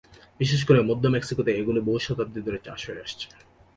বিশেষ করে মধ্য মেক্সিকোতে এগুলি বহু শতাব্দী ধরে চাষ হয়ে আসছে।